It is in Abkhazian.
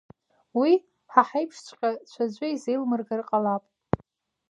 Уи ҳа ҳаиԥшҵәҟьа ҽаӡәы изеилмыргар ҟалап.